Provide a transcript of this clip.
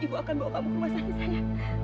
ibu akan bawa kamu ke rumah sakit saya